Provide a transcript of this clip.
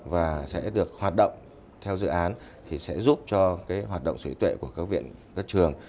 và sẽ được hoạt động theo dự án thì sẽ giúp cho hoạt động sở hữu tuệ của các viện các trường